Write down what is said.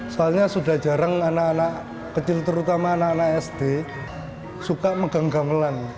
soalnya sudah jarang anak anak kecil terutama anak anak sd suka megang gamelan